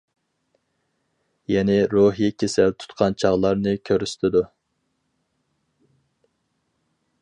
يەنى روھىي كېسەل تۇتقان چاغلارنى كۆرسىتىدۇ.